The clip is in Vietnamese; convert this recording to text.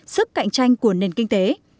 sức cạnh tranh của nền kinh tế